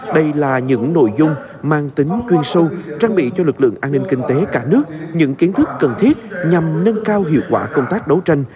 đây là những nội dung mang tính chuyên sâu trang bị cho lực lượng an ninh kinh tế cả nước những kiến thức cần thiết nhằm nâng cao hiệu quả công tác đấu tranh